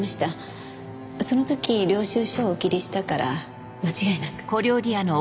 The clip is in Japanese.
その時領収書をお切りしたから間違いなく。